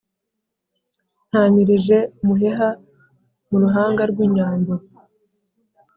ntamilije umuheha mu ruhanga rw'inyambo.